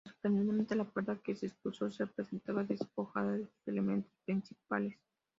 Sorprendentemente, "La puerta" que se expuso se presentaba despojada de sus elementos principales.